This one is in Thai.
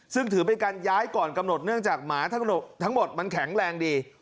ซึ่งถือเป็นการย้ายก่อนกำหนดเนื่องจากหมาทั้งหมดมันแข็งแรงดี